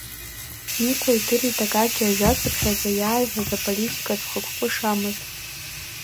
Никәа идырит Акакьи ажәацыԥхьаӡа иааиҳәоз аполитикатә хықәкы шамаз.